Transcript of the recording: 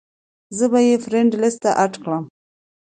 زۀ به ئې فرېنډ لسټ ته اېډ کړم -